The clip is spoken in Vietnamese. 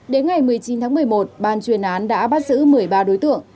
đến ngày một mươi chín tháng một mươi một ban chuyên án đã bắt giữ một mươi ba đối tượng